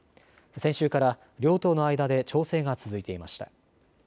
先週から両党の間で調整が続いていました。